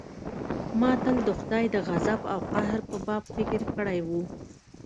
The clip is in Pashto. ما تل د خداى د غضب او قهر په باب فکر کړى و.